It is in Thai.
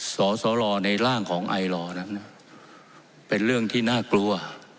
สสรในร่างของไอลอนั้นเป็นเรื่องที่น่ากลัว